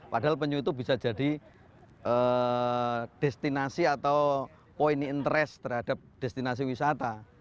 padahal penyu itu bisa jadi destinasi atau pointy interest terhadap destinasi wisata